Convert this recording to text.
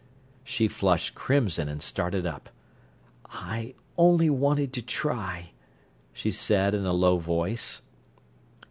She flushed crimson and started up. "I only wanted to try," she said in a low voice.